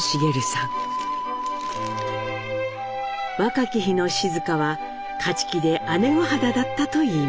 若き日の静香は勝ち気で姉御肌だったといいます。